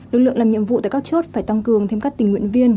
lực lượng làm nhiệm vụ tại các chốt phải tăng cường thêm các tình nguyện viên